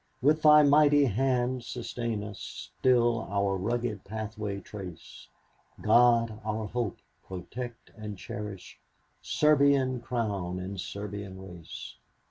With Thy mighty hand sustain us, Still our rugged pathway trace; God, our Hope! protect and cherish Serbian crown and Serbian race!